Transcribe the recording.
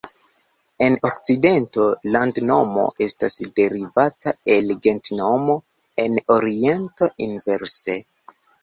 En okcidento landnomo estas derivata el gentnomo; en oriento inverse.